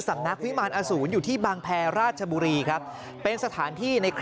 ขุนกาวีสีสยามเป็นเจ้าสำนัก